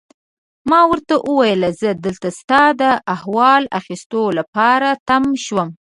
ما ورته وویل: زه دلته ستا د احوال اخیستو لپاره تم شوم.